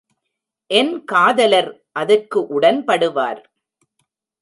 என் காதலர் அதற்கு உடன்படுவார்.